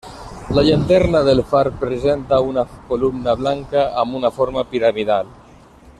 La llanterna del far presenta una columna blanca amb una forma piramidal.